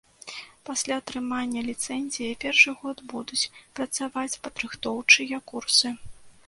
Пасля атрымання ліцэнзіі першы год будуць працаваць падрыхтоўчыя курсы.